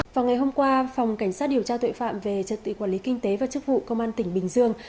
vào ngày hôm qua phòng cảnh sát điều tra tuệ phạm về chất tị quản lý kinh tế và chức vụ công an tỉnh bình dương